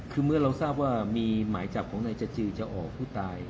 คือเมื่อเราทราบว่ามีหมายจับของนายจจือจะออกผู้ตาย